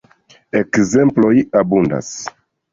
Ekzemploj abundas.